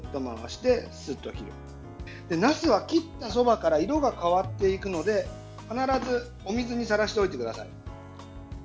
なすは切ったそばから色が変わっていくので必ず、お水にさらしておいてください。